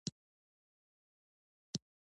انسان ځانګړی هورموني او جنټیکي جوړښت لري.